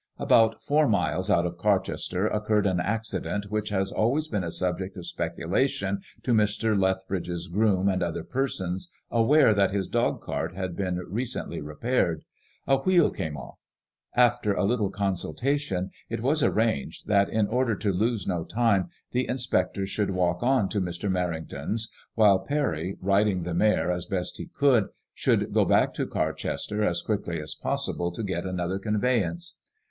About four miles out of Car chester occurred an accident which has always been a subject of speculation to Mr. Lethbridge's groom and other persons aware that his dogcart had been re cently repaired. A wheel came off. After a little consultation it was arranged that, in order to lose no time, the inspector should walk on to Mr. Merrington's, while Parry, riding the mare, as best he could, should go back to Carchester as quickly as pos sible to get another conveyance.